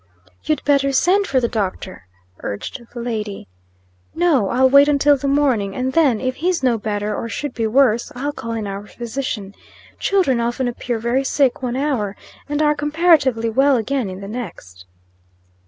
"You'd better send for the doctor," urged the lady. "No. I'll wait until the morning, and then, if he's no better, or should be worse, I'll call in our physician. Children often appear very sick one hour, and are comparatively well again in the next."